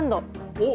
おっ！